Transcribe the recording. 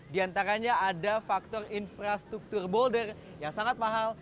di antaranya ada faktor infrastruktur boulder yang sangat mahal